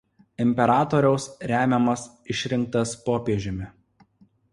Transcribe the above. Imperatoriaus remiamas išrinktas popiežiumi.